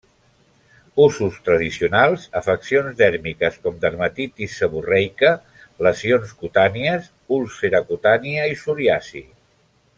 Usos tradicionals: afeccions dèrmiques com dermatitis seborreica, lesions cutànies, úlcera cutània i psoriasi.